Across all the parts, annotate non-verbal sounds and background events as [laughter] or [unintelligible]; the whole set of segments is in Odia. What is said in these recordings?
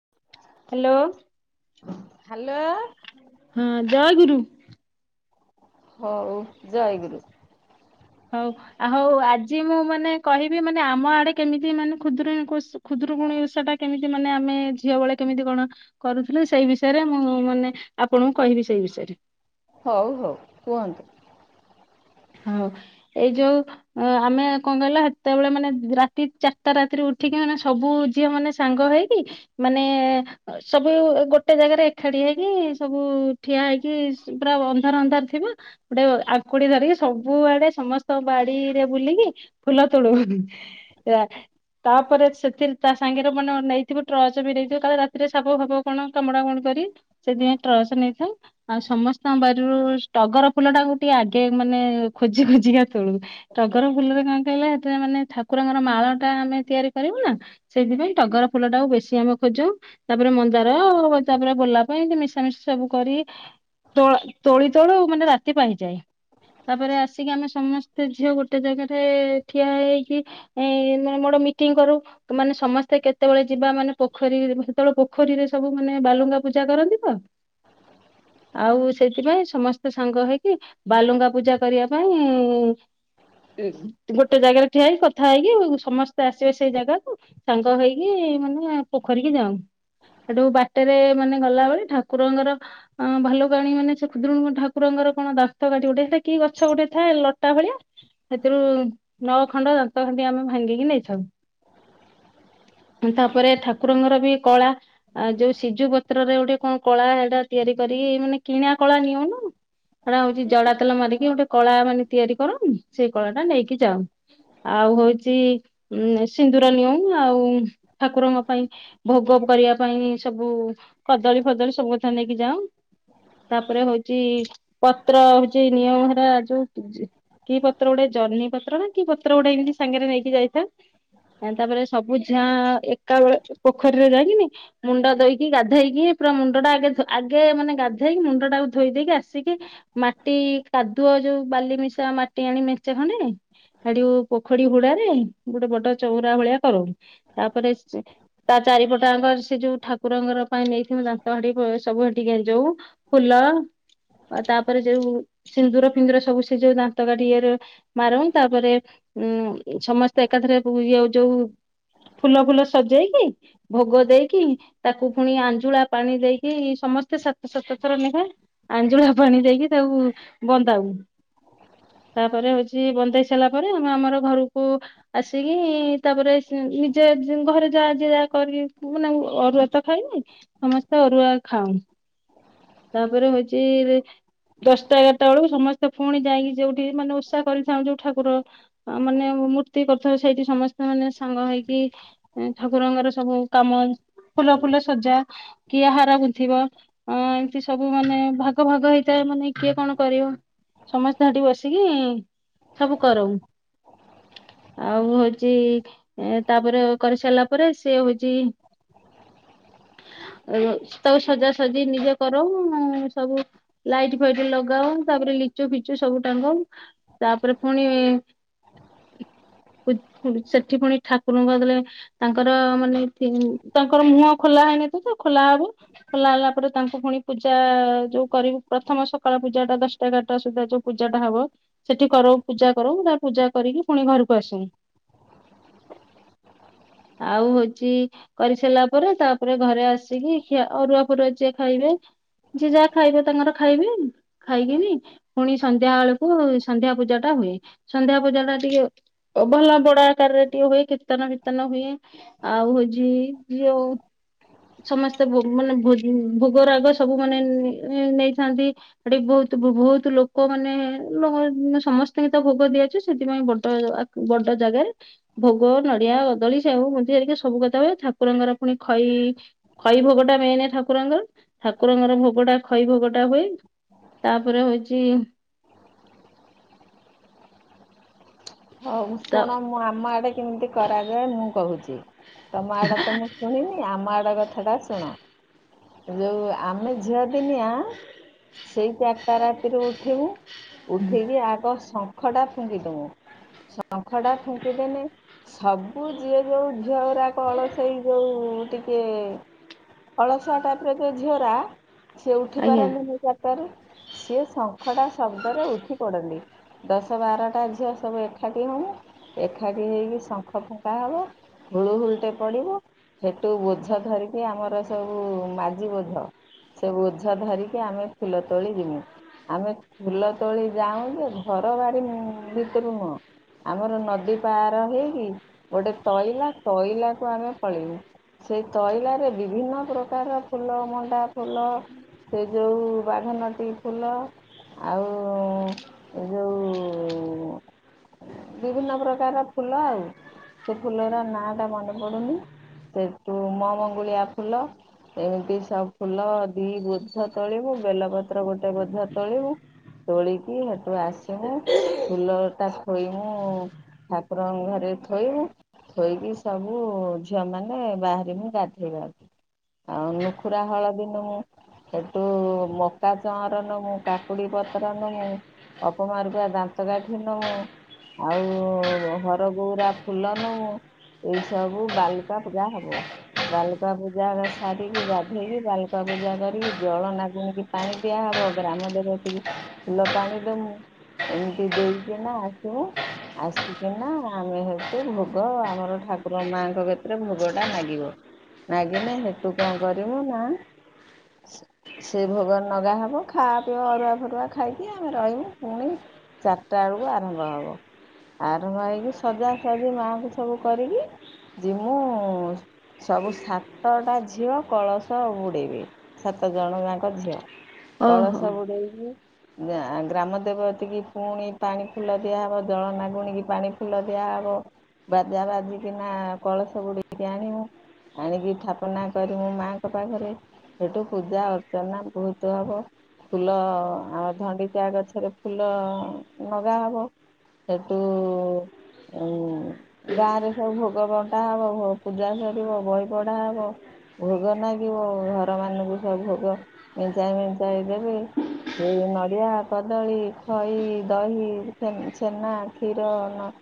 ହ। ହାଲୋ। ହାଲୋ। ହଁ ଜୟଗୁରୁ। ହଉ ଜୟଗୁରୁ। ହଉ ହଉ ଆଜି ମୁଁ ମାନେ କହିବି ମାନେ ଆମ ଆଡ଼େ କେମିତି ମାନେ ଖୁଦୁରୁକୁଣୀ କୋଷୁ ଖୁଦରୁକୁୁଣି ଓଷା ଟା କେମିତି ମାନେ ଆମେ ଝିଅ ବଳେ କେମିତି କଣ କରୁଥୁଲୁ ସେଇ ବିଷୟରେ ମୁଁ ମାନେ ଆପଣଙ୍କୁ କହିବି ସେଇ ବିଷୟରେ। ହଉ ହଉ କୁହନ୍ତୁ? ହଉ ଏଇ ଯୋଉ ଅ ଆମେ କଣ କହିଲ ହେତେବେଳେ ମାନେ ରାତି ଚାରଟା ରାତିରୁ ଉଠିକି ମାନେ ସବୁ ଝିଅ ମାନେ ସାଙ୍ଗ ହେଇକି ମାନେ ଏ ଏ ସବୁ ଗୋଟ ଟେ ଜାଗାରେ ଏକାଠି ହେଇକି ସବୁ ଠିଆ ହେଇକି ପୁରା ଅନ୍ଧାର ଅନ୍ଧାର ଥିବା ଗୁଟେ ଅ ଆଙ୍କୁଡ଼ି ଧରିକି ସବୁଆଡ଼େ ସମସ୍ତଙ୍କ ବାଡ଼ିରେ ବୁଲିକି ଫୁଲ ତୋଳୁ ହଁ ହଁ। ଏରା ତାପରେ ସେଥିର ଟ୍ରାନ୍ସ ସାଙ୍ଗରେ ମାନେ ନେଇଥିବୁ ଟ୍ରର୍ଚ ବି ନେଇଥିବୁ କାଳେ ରାତିରେ ସାପ ଫାପ କଣ କାମୁଡା କାମୁଡ଼ି କରି ସେଥିପାଇଁ ଟ୍ରଚ ନେଇଥାଉ ଆଉ ସମସ୍ତଙ୍କ ବାରରୁ ଟଗର ଫୁଲ ଟାକୁ ଟିକେ ଆଗେ ମାନେ ଓ ଖୋଜି ଖୋଜିିକା ତୋଳୁ। ଟଗର ଫୁଲରେ କଣ କହିଲେ ହେଥିରେ ମାନେ ଠାକୁରଙ୍କର ମାଳ ଟା ଆମେ ତିଆରି କରିବୁ ନା ସେଇଥିପାଇଁ ଟଗର ଫୁଲ ଟାକୁ ବେଶୀ ଆମେ ଖୋଜୁ। ତାପରେ ମନ୍ଦାର ତାପରେ ଗୋଲାପ ଏମତି ମିଶାମିଶା ସବୁ କରି ତୋଳା ତୋଳି ତୋଳୁ ମାନେ ରାତି ପାହିଯାଏ। ତାପରେ ଆସିକି ଆମେ ସମସ୍ତେ ଝିଅ ଗୋଟେ ଜାଗାଠେ ଏ ଏ ଠିଆ ହେଇକି ଏଇଁ ମୋର ମୋଡ଼ ମିଟିଂ କରୁ। ମାନେ ସମସ୍ତେ କେତବଳେ ଯିବା ମାନେ ପୋଖରୀ ସେତବଳେ ପୋଖରୀରେ ସବୁ ମାନେ ବାଲୁଙ୍ଗା ପୂଜା କରନ୍ତି ତ ଆଉ ସେଥିପାଇଁ ସମସ୍ତେ ସାଙ୍ଗ ହେଇକି ବାଲୁଙ୍ଗା ପୂଜା କରିବା ପାଇଁ ଗୋଟେ ଜାଗାରେ ଠିଆ ହେଇକି କଥା ହେଇକି ସମସ୍ତେ ଆସିବେ ସେଇ ଜାଗାକୁ ସାଙ୍ଗ ହେଇକି ମାନେ ପୋଖରିକି ଯାଉ। ସେଠୁ ବାଟେରେ ମାନେ ଗଲା ବେଳେ ଠାକୁରଙ୍କର ଅଁ ଭାଲୁକାଣୀ ମାନେ କ ଖୁଦୁରୁକୁଣି ଠାକୁରଙ୍କର କଣ ଦାନ୍ତ କାଠି ଗୋଟେ ସେ କି ଗଛ ଗୋଟେ ଥାଏ ଲଟା ଭଳିଆ। ସେଥିରୁ ନଅ ଖଣ୍ଡ ଦାନ୍ତ କାଠି ଆମେ ଭାଙ୍ଗିକି ନେଇଥାଉ। ତାପରେ ଠାକୁରଙ୍କର ବି କଳା। ଆଉ ଯୋଉ ସିଜୁ ପତ୍ରରେ ଗୋଟେ କଣ କଳା ଏଟା ତିଆରି କରିକି ମାନେ କିଣା କଳା ନିୟୁନୁ। ସେଟା ହୋଉଚି ଜଡା ତେଲ ମାରିକି ଗୋଟେ କଳା ମାନେ ତିଆରି କରୁ ସେଇ କଳା ଟା ନେଇକି ଯାଉ। ଆଉ ହୋଉଚି ଉ ସିନ୍ଦୁର ନିଉ ଆଉ ଠାକୁରଙ୍କ ପାଇଁ ଭୋଗ କରିବା ପାଇଁ ସବୁ କଦଳୀ ଫଦଳୀ ସବୁ କଥା ନେଇକି ଯାଁଉ। ତାପରେ ହୋଉଚି ପତ୍ର ହୋଉଚି ନିଉ ଯୋଉ କି ପତ୍ର ଗୋଟେ ଜହ୍ନି ପତ୍ର ନା କି ପତ୍ର ଗୋଟେ ଏମିତି ସାଙ୍ଗରେ ନେଇକି ଯାଇଥାଉ। ତାପରେ ସବୁ ଝିଆ ଏକା ବେଳେ ପୋଖରୀରେ ଯାଇକିନି ମୁଣ୍ଡ ଧୋଇକି ଗାଧେଇକି ପୁରା ମୁଣ୍ଡ ଟା ଆଗେ ଆଗେ ମାନେ ଗାଧେଇକି ମୁଣ୍ଡ ଟାକୁ ଧୋଇ ଦେଇକି ଆସିକି ମାଟି କାଦୁଅ ଯୋଉ ବାଲି ମିଶା ମାଟି ଆଣି ମେଁଚେ ଖଣ୍ଡେ ହେଟୁ ପୋଖଡି ହୁଡାରେ ଗୋଟେ ବଡ ଚୋଉଁରା ଭଳିଆ କରୁ ତାପରେ ତା ଚାରିପଟ ଆଙ୍କ ସେ ଯୋଉ ଠାକୁରଙ୍କର ପାଇଁ ନେଇଥିବ ଦାନ୍ତ ହାଟି ସବୁ ହେଟି ଗେଞୁ। ଫୁଲ ଆ ତାପରେ ଯୋଉ ସିନ୍ଦୁର ଫିନ୍ଦୁର ସବୁ ସେ ଯୋଉ ଦାନ୍ତ କାଠି ଇଏରେ ମାରୁଁ ତାପରେ ଉଁ ସମସ୍ତେ ଏକାଥରେ ଇଏ ଯୋଉ ଫୁଲ ଫୁଲ ସଜେଇକି ଭୋଗ ଦେଇକି ତାକୁ ପୁଣି ଆଞ୍ଜୁଳା ପାଣି ଦେଇକି ସମସ୍ତେ ସାତ ସାତ ଥର ନେଖା ଆଞ୍ଜୁଳା ପାଣି ଦେଇକି ତାକୁ ବନ୍ଦାଉ। ତାପରେ ବନ୍ଦେଇ ସାରିଲା ପରେ ଆମେ ଆମର ଘରୁକୁ ଆସିକି ତାପରେ ନିଜେ ଘରେ ଯାହା ଯ ଯାହା କରିକି ମା ଅରୁଆ ତ ଖାଇନି। ସମସ୍ତେ ଅରୁଆ ଖାଁଉ ତାପରେ ହୋଉଚି ଦଶ୍ ଦଶଟା ଏଗାରଟା ବେଳକୁ ସମସ୍ତେ ପୁଣି ଯାଇକି ଯୋଉଠି ମାନେ ଉସା କରିଥାଉଁ ଯୋଉ ଠାକୁର ଅ ମାନେ ମୂର୍ତ୍ତି କଥା ସେଇଠି ସମସ୍ତେ ମାନେ ସାଙ୍ଗ ହେଇକି ଏଁ ଠାକୁରଙ୍କର ସବୁ କାମ ଫୁଲ ଫୁଲ ସଜା କିଏ ହାର ଗୁନ୍ଥି ବ ଅ ଏମିତି ସବୁ ମାନେ ଭାଗ ଭାଗ ହେଇଥାଏ ମାନେ କିଏ କଣ କରିବ ସମସ୍ତେ ହାଟି ବସିକି ସବୁ କରଁଉ। ଆଉ ହୋଉଚି ତାପରେ କରି ସାରିଲା ପରେ ସିଏ ହୋଉଚି ତାକୁ ସଜାସଜି ନିଜେ କରଁଉ ସବୁ ଲାଇଟ୍ ଟି ଫାଇଟ୍ ଲଗାଉ ତାପରେ ଲିଚୁ ଫିଚୁ ସବୁ ଟାଙ୍ଗୁ ତାପରେ ଫୁଣି [unintelligible] ସେଠି ପୁଣି ଠାକୁରଙ୍କୁ କଇଦେଲେ ତାଙ୍କର ମାନେ ଥିନ୍ ତାଙ୍କର ମୁହଁ ଖୋଲା ହେଇନି ତ ଖୋଲା ହବ। ଖୋଲା ହେଲା ପରେ ତାଙ୍କୁ ଫୁଣି ପୂଜା ଯୋଉ କରିବୁ ପ୍ର ପ୍ରଥମ ସକାଳ ପୂଜାଟା ଦଶଟା ଏଗାରଟା ସୁଧା ଯୋଉ ପୂଜାଟା ହବ ସେଟି କରଉ ପୂଜା କରଉ ତା ପୂଜା କରିକି ପୁଣି ଘରକୁ ଆସୁ। ଆଉ ହୋଉଚି କରିସାରିଲା ପରେ ତାପରେ ଘରେ ଆସିକି ଖିଆ ଅରୁଆ ଫରୁଆ ଯିଏ ଖାଇବେ ଯିଏ ଯାହା ଖାଇବେ ତାଙ୍କର ଖାଇବେ। ଖାଇକିଣି ପୁଣି ସନ୍ଧ୍ୟା ଏଳକୁ ସନ୍ଧ୍ୟା ପୂଜାଟା ହୁଏ ସନ୍ଧ୍ୟା ପୂଜାଟା ଟିକେ ଏ ଭଳିଆ ବଡ ଆକାରରେ ଟିକେ ହୁଏ, କୀର୍ତ୍ତନ ଫିର୍ତ୍ତନ ହୁଏ ଆଉ ହଉଚି ଯଉ ସମସ୍ତେ ଭୋ ମାନେ ଭୋଗ ରାଗ ସବୁ ମାନେ ନେ ନେଇଥାନ୍ତି। ହେଠି ବହୁତ ବହୁତ ଲୋକମାନେ ଲୋଗ ସମସ୍ତିଙ୍କିତ ଭୋଗ ଦିଆହେଇଚି, ସେଥିପାଇଁ ବଡ ଆ ବଡ ଜାଗାରେ ଭୋଗ, ନଡ଼ିଆ, କଦଳି, ସେଉ ବୁନ୍ଦି ହେରିକା ସବୁ କଟା ହୁଏ, ଠାକୁରଙ୍କର ପୁଣି ଖଇ ଇ ଖଇ ଭୋଗଟା ମେନ୍ ଠାକୁରଙ୍କର, ଠାକୁରଙ୍କର ଭୋଗଟା ଖଇ ଭୋଗଟା ହୁଏ। ତାପରେ ହଉଚି ହଉ ତ ଶୁଣ, ମୁଁ ଆମ ଆଡେ କେମିତି କରାଯାଏ ମୁଁ କହୁଚି ତମ ଆଡେତ ମୁଁ ଶୁଣିନି, ଆମ ଆଡ କଥାଟା ଶୁଣ ଯଉ ଆମେ ଝିଅ ଦିନିଆ ସେଇ ଚାରିଟା ରାତିରୁ ଉଠିବୁ, ଉଠିକି ଆଗ ଶଙ୍ଖଟା ଫୁଙ୍କିଦମୁଁ ଶଙ୍ଖଟା ଫୁଙ୍କିଦେନେ ସବୁ ଯିଏ ଯୋଉ ଝିଅ ଗୁରାକ ଅଳସେଇ ଯଉ ଟିକେ ଅଳସୁଆ ଟାଇପ୍ ର ଯଉ ଝିଅରା ସିଏ ଉଠି ଆଜ୍ଞା ପାରନ୍ତିନି ଚାରଟାରୁ, ସିଏ ଶଙ୍ଖ ଟା ଶବ୍ଦରେ ଉଠି ପଡନ୍ତି, ଦଶ ବାରଟା ଝି ଝିଅ ସବୁ ଏକାଠି ହମୁଁ, ଏକାଠି ହେଇକି ଶଙ୍ଖ ଫୁଙ୍କା ହବ ହୁଳୁ ହୁଳିଟେ ପଡିବ ସେଠୁ ବୋଝ ଧରିକି, ଆମର ସବୁ ମାଜି ବୋଝ ସେ ବୋଝ ଧରିକି ଆମେ ଫୁଲ ତୋଳି ଜିମୁଁ। ଆମେ ଫୁଲ ତୋଳି ଯାଉଁଯେ, ଘର ବାରି ଭିତରୁ ନୁହଁ ଆମର ନଦୀ ପାର ହେଇକି ଗୋଟେ ତଇଲା, ତଇଲାକୁୁ ଆମେ ପଳେଇମୁଁ। ସେଇ ତଇଲାରେ ବିଭିନ୍ନ ପ୍ରକାର ଫୁଲ, ମଣ୍ଡା ଫୁଲ ସେ ଯଉ ବାଘନଟି ଫୁଲ ଆଉ ଉଁ ଯଉ ବିଭିନ୍ନ ପ୍ରକାରର ଫୁଲ ଆଉ, ସେ ଫୁଲର ନାଁଟା ମନେ ପଡୁନି ସେଠୁ ମ ମଙ୍ଗୁଳିଆ ଫୁଲ ଏମିତି ସବୁ ଫୁଲ ଦି ବୋଝ ତୋଳିବୁ, ବେଲପତ୍ର ଗୋଟେ ବୋଝ ତୋଳିବୁ ତୋଳିକି ହେଠୁ ଆସିମୁଁ, ଫୁଲ ତା ଥୋଇମୁଁ, ଠାକୁରଙ୍କ ଘରେ ଥୋଇବୁ ଥୋଇକି ସବୁ ଝିଅ ମାନେ ବାହାରିମୁଁ ଗାଧେଇବାକୁ ଆଉ ନୁଖୁରା ହଳଦୀ ନମୁଁ ସେଠୁ ମକା ଚଅଁର ନମୁଁ, କାକୁଡି ପତ୍ର ନମୁଁ ଅପମାରକୁଆ ଦାନ୍ତକାଠି ନମୁଁ ଆଉ ହରଗଉରା ଫୁଲ ନମୁଁ। ଏଇ ସବୁ ବାଲୁକା ପୂଜା ହବ। ବାଲୁକା ପୂଜା ସାରିକି, ଗାଧେଇକି, ବାଲୁକା ପୂଜା କରିକି, ଜଳ ନାଗୁଣିକି ପାଣି ଦିଆହବ, ଗ୍ରାମ ଦେବତିକି ଫୁଲ ପାଣି ଦମୁଁ, ଏମିତି ଦେଇ କିନା ଆସିବୁ। ଆସିକିନା ଆମେ ହେଠୁ ଭୋଗ ଆମର ଠାକୁର ମାଙ୍କ କତିରେ ଭୋଗଟା ନାଗିବ। ନାଗିନେ, ହେଟୁ କଣ କରିବୁ ନା ସେ ଭୋଗ ନଗାହବ, ଖା ପିଅ ଅରୁଆ ଫରୁଆ ଖାଇକି ଆମେ ରହିବୁ, ପୁଣି ଟା ବେଳକୁ ଆରମ୍ଭ ହବ, ଆରମ୍ଭ ହେଇକି, ସଜାସଜି ମାଆଙ୍କୁ ସବୁ କରିକି ଯିମୁଁ ସବୁ ସାତଟା ଝିଅ କଳସ ବୁଡେଇବେ, ସାତ ଜଣ ଯାଙ୍କ ଝିଅ। ଓହୋ। କଳସ ବୁଡେଇକି, ଗ୍ରା ଗ୍ରାମ ଦେବତିକି ପୁଣି ପାଣି ଫୁଲ ଦିଆହବ ଜଳ ନା ଗୁଣିକି ପାଣି ଫୁଲ ଦିଆହବ। ବାଜା ବାଜିକିନା କଳସ ବୁଡେଇକି ଆଣିବୁ। ଆଣିକି ଥାପନା କରିମୁ ମାଆଙ୍କ ପାଖରେ। ହେଠୁ ପୂଜା ଅର୍ଚ୍ଚନା ବହୁତ ହବ। ଫୁଲ ଆମ ଧଣ୍ଡିଚିଆ ଗଛରେ ଫୁଲ ଲଗା ହବ। ହେଟୁ ଉଁ ଗାଁ ରେ ସବୁ ଭୋଗ ବଣ୍ଟା ହବ ପୂଜା ସରିବ ବହି ପଢା ହବ। ଭୋଗ ନାଗିବ ଘର ମାନଙ୍କୁ ସବୁ ଭୋଗ ମେଞ୍ଚାଏ ମେଞ୍ଚାଏ ଦେବେ। ସେଇ ନଡିଆ କଦଳୀ ଖଇ ଦହି ଛେନ ଛେନା କ୍ଷୀର ନ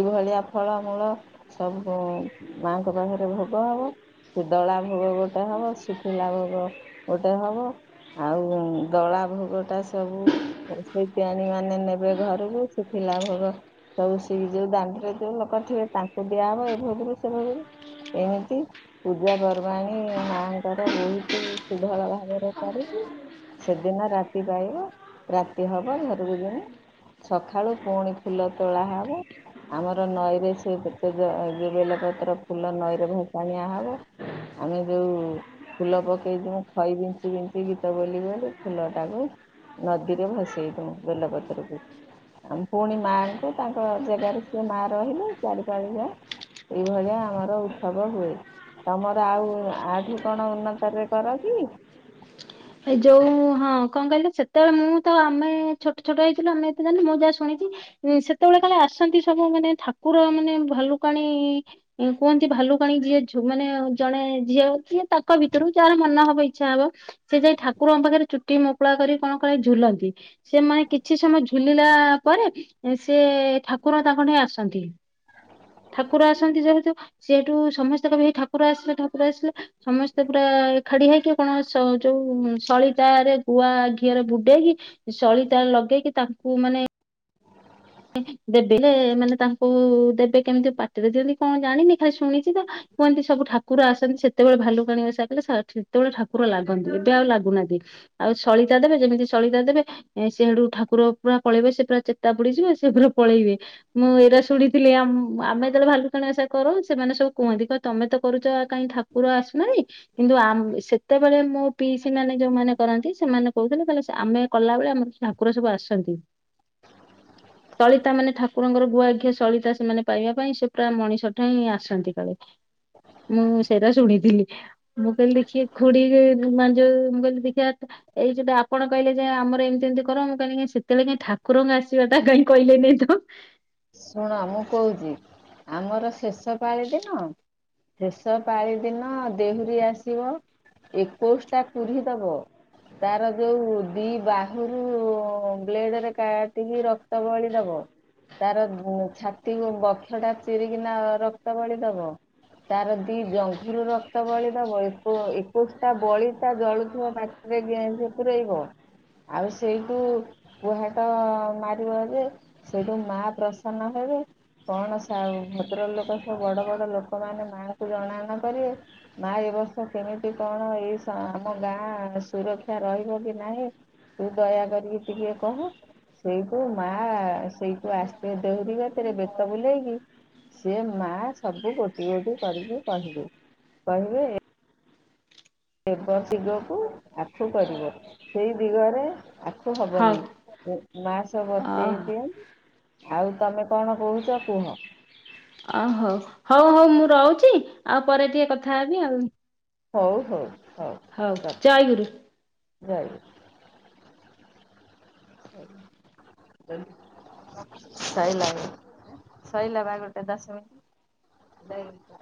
ଏଇଭଳିଆ ଫଳମୂଳ ସବୁ ମାଆଙ୍କ ପାଖରେ ଭୋଗ ହବ। ସେ ଦଳା ଭୋଗ ଗୋଟେ ହବ ଶୁଖିଲା ଭୋଗ ଗୋଟେ ହବ। ଆଉ ଦଳା ଭୋଗ ଟା ସବୁ ରୋଷେଇତିି ଆଣି ମାନେ ନେ ବେ ଘରୁକୁ ଶୁଖିଲା ଭୋଗ ସବୁ ସେଇ ଯୋଉ ଦାଣ୍ଡରେ ଯୋଉ ଲୋକ ଥିବେ ତାଙ୍କୁ ଦିଆହବ ଏ ଭୋଗରୁ ସେ ଭୋଗରୁ। ଏମିତି ପୂଜା ପର୍ବାଣୀ ମାଙ୍କର ବହୁତ ସୁଧଳ ଭାବରେ କରିକି ସେଦିନ ରାତି ପାଇବ ରାତି ହବ ଘରକୁ ଯୀମୁ। ସକାଳୁ ପୁଣି ଫୁଲ ତୋଳା ହବ। ଆମର ନଈରେ ସେ ସେତେ ଯୋଉ ବେଲପତ୍ର ଫୁଲ ନଈରେ ଭସାଣିଆ ହବ। ଆମେ ଯୋଉ ଫୁଲ ପକେଇ ଯିମୁ ଖଇ ବିଞ୍ଚି ବିଞ୍ଚି ଗୀତ ବୋଲି ବୋଲି ଫୁଲ ଟାକୁ ନଦୀରେ ଭସେଇ ଦୋଉଁକୁ। ବେଲପତ୍ର ଆଉ ପୁଣି ମାଙ୍କୁ ତାଙ୍କ ଜେଗାରେ ସେ ମା ରହିଲେ ଚାରିପାଳିଯା। ଏଇଭଳିଆ ଆମର ଉତ୍ସବ ହୁଏ। ତମର ଆଉ ଆଠୁ କଣ ଉନ୍ନତରେ କର କି? ଏଇ ଯୋଉ ହଁ କଣ କହିଲେ ସେତେବେଳେ ମୁଁ ତ ଆମେ ଛୋଟ ଛୋଟ ହେଇଥିଲୁ ଆମେ ଏତେ ଜାଣୁ ମୁଁ ଯାହା ଶୁଣିଛି। ସେତେବେଳେ କାଳେ ଆସନ୍ତି ସବୁ ମାନେ ଠାକୁର ମାନେ ଭାଲୁକାଣି କୁହନ୍ତି ଭାଲୁକାଣି ଯିଏ ମାନେ ଜଣେ ଝିଅ କିଏ ତାଙ୍କ ଭିତରୁ ଯାହାର ମନ ହବ ଇଚ୍ଛା ହବ। ସେ ଯାଇ ଠାକୁରଙ୍କ ପାଖରେ ଚୁଟି ମକୁଳା କରି କଣ କାଳେ ଝୁଲନ୍ତି। ସିଏ ମାଏ କିଛି ସମୟ ଝୁଲିଲା ପରେ ସେ ଠାକୁର ତାଙ୍କଠାଇଁ ଆସନ୍ତି ଠାକୁର ଆସନ୍ତି ଯେହେତୁ ସିଏ ହେଠୁ ସମସ୍ତେ କହିବେ ଏଇ ଠାକୁର ଆସିଲେ ଠାକୁର ଆସିଲେ ସମସ୍ତେ ପୁରା ଏଖାଡି ହେଇକି କଣ ସୋ ଯୋଉ ସଳିତାରେ ଗୁଆ ଘିଅରେ ବୁଡେଇକି ସଳିତା ଲଗେଇକି ତାଙ୍କୁ ମାନେ ଦେବେ ହେଲେ ଏମାନେ ତାଙ୍କୁ ଦେବେ କେମିତି ପାଟିରେ ଦିଅନ୍ତି କଣ ଜାଣିନି ଖାଲି ଶୁଣିଛି ତ। କୁହନ୍ତି ସବୁ ଠାକୁର ଆସନ୍ତି ସେତେବେଳେ ଭାଲୁକାଣୀ ଓସା କଲେ ସେତେବେଳେ ଠାକୁର ଲାଗନ୍ତି ଏବେ ଆଉ ଲାଗୁନାହାନ୍ତି। ଆଉ ସଳିତା ଦେବେ ଯେମିତି ସଳିତା ଦେବେ ସିଏ ହେଠୁ ଠାକୁର ପୁରା ପଳେଇବେ ସେ ପୁରା ଚେତା ବୁଡିଯିବେ ସେ ସେ ଫେରେ ପଳେଇବେ। ମୁଁ ଏଇରା ଶୁଣିଥିଲି ଆମ ଆମେ ଯେତେବେଳେ ଭାଲୁ କାଣି ଓସା କରୁ ସେମାନେ ସବୁ କୁହନ୍ତି କହ ତମେ ତ କରୁଛ କାଇଁ ଠା କୁର ଆସୁନାହିଁ। କିନ୍ତୁ ଆ ସେତେବେଳେ ମୋ ପିଇସି ମାନେ ଯୋଉମାନେ କରନ୍ତି ସେମାନେ କହୁଥିଲେ ଆମେ କଲାବେଳେ ଆମର [unintelligible] କୁର ସବୁ ଆସନ୍ତି। ସଳିତା ମାନେ ଠାକୁରଙ୍କର ଗୁଆ ଘିଆ ସଳିତା ସେମାନେ ପାଇବା ପାଇଁ ସେ ପୁରା ମଣିଷଠାଇଁ ଆସନ୍ତି କାଳେ। ମୁଁ ସେଇରା ଶୁଣିଥିଲି। ମୁଁ କଇଲି କିଏ ଖୁଡିରେ ରୁମାଲ ମୁଁ କଇଲି ଦେଖିବା। ଏଇ ଯୋଟା ଆପଣ କହିଲେ ଯେ ଆମର ଏମିତିମିତି କର। ମୁଁ କହିଲି ସେତେବେଳେ କାଇ ଠାକୁରଙ୍କ ଆସିବାଟା [unintelligible] କାଇଁ। କହିଲେନି ତ ଶୁଣ ମୁଁ କହୁଛି। ଆମର ଶେଷ ପାଳି ଦିନ ଶେଷ ପାଳି ଦିନ ଦେହୁରୀ ଆସିବ। ଏକୋଇଶଟା କୁଢି ଦବ। ତାର ଯୋଉ ଦି ବାହୁରୁ ବ୍ଲେଡ଼ରେ କାଟିକି ରକ୍ତ ବଳି ଦବ। ତାର ଉ ଛାତିକୁ ବଥଟା ଚିରିକିନା ରକ୍ତ ବଳି ଦବ। ତାର ଦି ଜଙ୍ଘରୁ ରକ୍ତ ବଳିି ଦେବ। ଏକୋ ଏକୋଇଶଟା ବଳିତା ଜଳୁଥିବା ପାଟି ରେ ଗେଁ ଉତେରେଇବ। ଆଉ ସେଇଠୁ କୁହାଟ ମାରିବ ଯେ ସେଇଠୁ ମା ପ୍ରସ୍ନ ସାନ ହେବେ। କଣ ସାଉ ଭଦ୍ର ଲୋକ ସବୁ ବଡ ବଡ ଲୋକମାନେ ମାଙ୍କୁ ଜଣାଣ କରିବେ। ମା ଏବର୍ଷ କେମିତି କଣ ଏଇସା ଆମ ଗାଁ ସୁରକ୍ଷା ରହିବ କି ନାହିଁ! ତୁ ଦୟା କରିକି ଟିକେ କହ। ସେଇ କୁ ମା ସେଇଠୁ ଆସି ଏ ଦେହୁରି ଗାତରେ ବେତ ବୁଲେଇକି ସିଏ ମା ସବୁ ଗୋଟି ଗୋଟି କରିକି କହିବେ। କହିବେ ଦେବ ଦିଗକୁ ଆଖୁ କରିବ ସେଇ ଦିଗରେ ଆଖୁ ହଉ। ହବନି। ମାସ ଅ ବତେଇ ଦିଅନ୍ତି। ଆଉ ତମେ କଣ କହୁଛ କୁହ। ଓହଉ ହଉ ହଉ ମୁଁ ରହୁଛି ଆଉ ପରେ ଟିକେ କଥା ହେବି ଆଉ। ହଉ ହଉ ହଉ। ହଉ ରଖ ଜୟ ଗୁରୁ। ଜୟ ଗୁରୁ। [unintelligible] ସାଇ ଲାଗେ। ସଇଲା ବାହ ଘରଟା ଦଶ ମିନିଟ। [unintelligible]